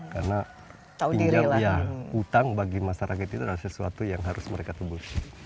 karena utang bagi masyarakat itu adalah sesuatu yang harus mereka tebus